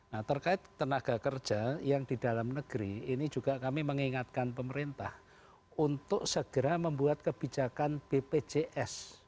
nah terkait tenaga kerja yang di dalam negeri ini juga kami mengingatkan pemerintah untuk segera membuat kebijakan bpjs